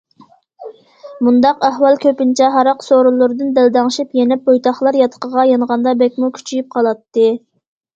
مۇنداق ئەھۋال كۆپىنچە ھاراق سورۇنلىرىدىن دەلدەڭشىپ يېنىپ، بويتاقلار ياتىقىغا يانغاندا بەكمۇ كۈچىيىپ قالاتتى.